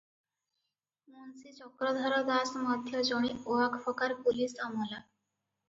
ମୁନସି ଚକ୍ରଧର ଦାସ ମଧ୍ୟ ଜଣେ ଓଆକଫକାର ପୁଲିସ ଅମଲା ।